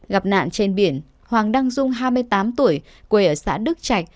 gặp nạn trên biển hoàng đăng dung hai mươi tám tuổi quê ở xã đức trạch